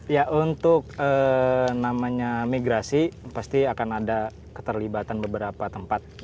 ya untuk namanya migrasi pasti akan ada keterlibatan beberapa tempat